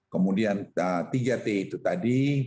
kemudian tiga t itu tadi